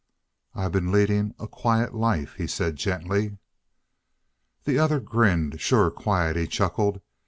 "I've been leading a quiet life," he said gently. The other grinned. "Sure quiet," he chuckled.